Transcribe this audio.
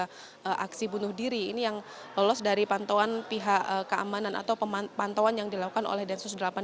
ada aksi bunuh diri ini yang lolos dari pantauan pihak keamanan atau pemantauan yang dilakukan oleh densus delapan puluh delapan